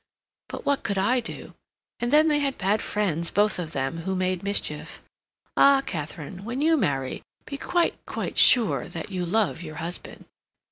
But what could I do? And then they had bad friends, both of them, who made mischief. Ah, Katharine, when you marry, be quite, quite sure that you love your husband!"